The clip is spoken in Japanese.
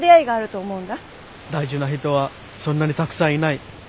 大事な人はそんなにたくさんいない。